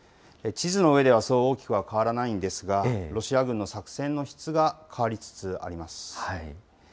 地図の上ではそう大きくは変わらないんですが、ロシア軍の作戦の質が変わりつつあります。